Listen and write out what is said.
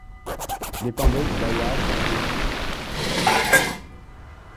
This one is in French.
Dépendait du bailliage de Thionville.